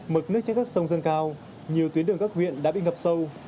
mực nước trên các sông dâng cao nhiều tuyến đường các huyện đã bị ngập sâu